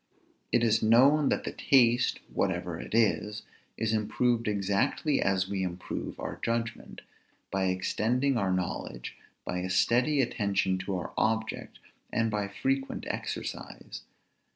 It is known that the taste (whatever it is) is improved exactly as we improve our judgment, by extending our knowledge, by a steady attention to our object, and by frequent exercise.